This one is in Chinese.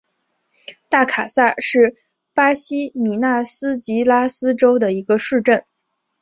大卡萨是巴西米纳斯吉拉斯州的一个市镇。